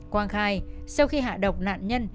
quang khai sau khi hạ độc nạn nhân